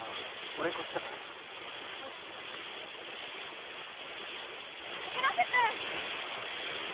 俺こっちだからうん一ノ瀬君！